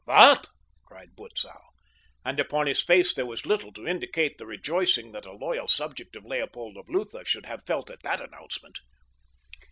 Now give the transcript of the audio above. "What?" cried Butzow, and upon his face there was little to indicate the rejoicing that a loyal subject of Leopold of Lutha should have felt at that announcement.